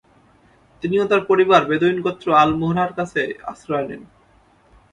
তিনি ও তার পরিবার বেদুইন গোত্র আল মুরাহর কাছে আশ্রয় নেন।